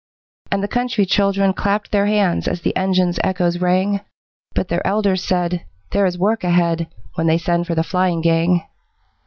And the country children clapped their hands As the engine's echoes rang, But their elders said: 'There is work ahead When they send for the flying gang.'